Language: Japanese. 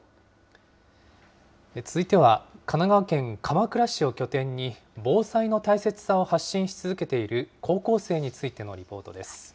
続いては神奈川県鎌倉市を拠点に、防災の大切さを発信し続けている高校生についてのリポートです。